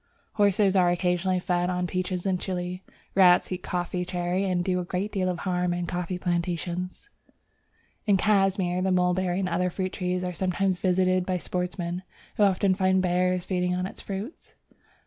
Horses are occasionally fed on peaches in Chile. Rats eat the coffee cherry, and do a great deal of harm in coffee plantations. In Cashmir the mulberry and other fruit trees are sometimes visited by sportsmen, who often find bears feeding on the fruits.